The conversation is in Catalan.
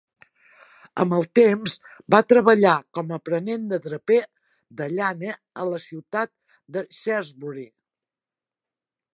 Amb el temps, va treballar com a aprenent de draper de llana a la ciutat de Shrewsbury.